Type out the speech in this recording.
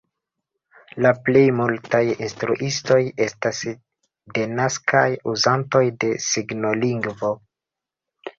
La plej multaj instruistoj estas denaskaj uzantoj de signolingvo.